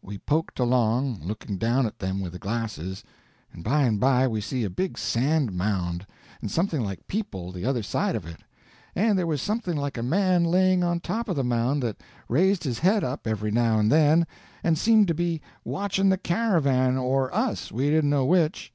We poked along, looking down at them with the glasses, and by and by we see a big sand mound, and something like people the other side of it, and there was something like a man laying on top of the mound that raised his head up every now and then, and seemed to be watching the caravan or us, we didn't know which.